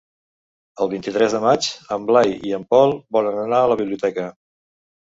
El vint-i-tres de maig en Blai i en Pol volen anar a la biblioteca.